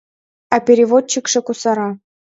А переводчикше кусара.